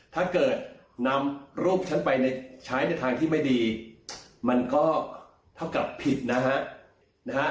ถ้าเกิดนำรูปฉันไปใช้ในทางที่ไม่ดีมันก็เท่ากับผิดนะฮะ